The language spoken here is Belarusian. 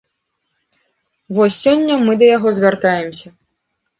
Вось сёння мы да яго звяртаемся.